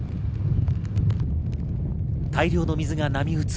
大量の水が波打つ